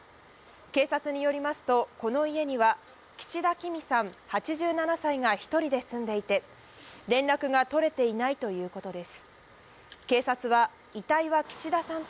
警察によりますと、この家には岸田キミさん８７歳が１人で住んでいて、連絡が取れていないということです。